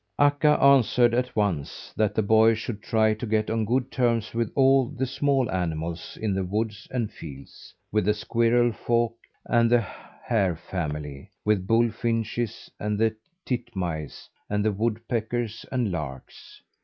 Akka answered at once that the boy should try to get on good terms with all the small animals in the woods and fields: with the squirrel folk, and the hare family; with bullfinches and the titmice and woodpeckers and larks.